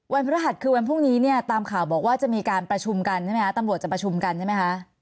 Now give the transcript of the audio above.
พฤหัสคือวันพรุ่งนี้เนี่ยตามข่าวบอกว่าจะมีการประชุมกันใช่ไหมคะตำรวจจะประชุมกันใช่ไหมคะ